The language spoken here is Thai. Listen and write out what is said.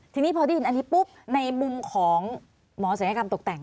ทีนี้พอได้ยินอันนี้ปุ๊บในมุมของหมอศัลยกรรมตกแต่ง